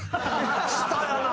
下やな。